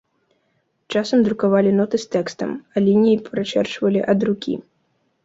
Часам друкавалі ноты з тэкстам, а лініі прачэрчвалі ад рукі.